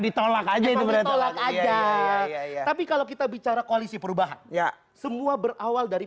ditolak aja mau bertolak aja tapi kalau kita bicara koalisi perubahan ya semua berawal dari